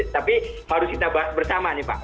tapi harus kita bahas bersama nih pak